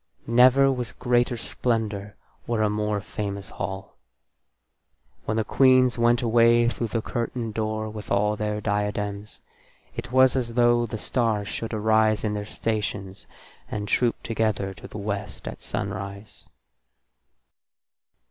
Never was greater splendour or a more famous hall. When the queens went away through the curtained door with all their diadems, it was as though the stars should arise in their stations and troop together to the West at sunrise.